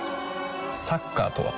サッカーとは？